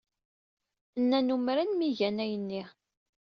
Nnan umren mi ay gan ayen-nni.